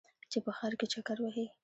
چې په ښار کې چکر وهې.